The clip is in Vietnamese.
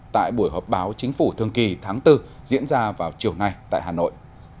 tại buổi họp báo chính phủ thường kỳ tháng bốn diễn ra vào chiều nay tại hà nội